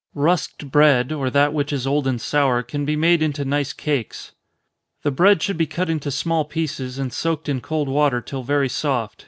_ Rusked bread, or that which is old and sour, can be made into nice cakes. The bread should be cut into small pieces, and soaked in cold water till very soft.